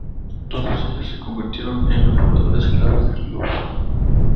Todos ellos se convirtieron en los jugadores claves del club.